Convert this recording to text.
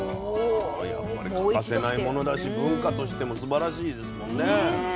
やっぱり欠かせないものだし文化としてもすばらしいですもんね。